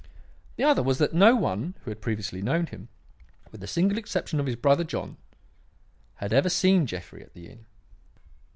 The other was that no one who had previously known him, with the single exception of his brother John, had ever seen Jeffrey at the inn.